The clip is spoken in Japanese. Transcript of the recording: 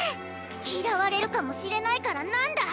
嫌われるかもしれないからなんだ！